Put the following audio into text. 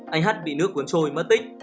anh hát bị nước cuốn trôi mất tích